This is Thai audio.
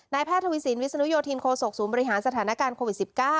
นายแพทย์ธวิสินวิสนุโยธินโคศกศูนย์บริหารสถานการณ์โควิดสิบเก้า